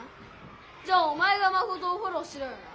じゃあおまえがマコトをフォローしろよな。